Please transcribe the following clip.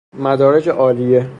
مدارج عالیه